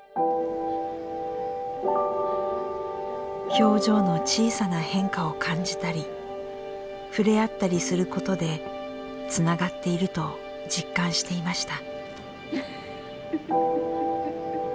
表情の小さな変化を感じたり触れ合ったりすることでつながっていると実感していました。